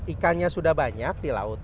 ikannya sudah banyak di laut